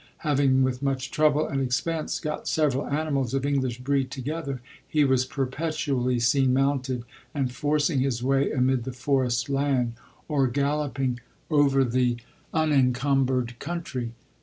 Having with much trouble and expense got several ani mals of English breed together, he was per petually seen mounted and forcing his way amid the forest land, or galloping over the LODO K E. unincumbered country.